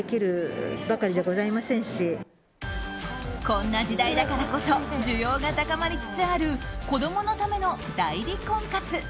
こんな時代だからこそ需要が高まりつつある子供のための代理婚活。